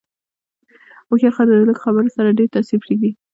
هوښیار خلک د لږو خبرو سره ډېر تاثیر پرېږدي.